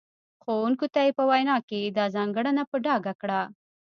ښوونکو ته یې په وینا کې دا ځانګړنه په ډاګه کړه.